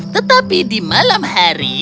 tetapi di malam hari